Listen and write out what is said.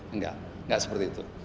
enggak enggak seperti itu